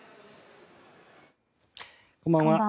こんばんは。